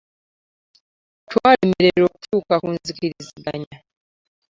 Twalemererwa okutuuka ku nzikiriganya.